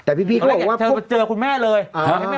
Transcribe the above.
แต่พี่พี่ว่าครูแม่เลยอะ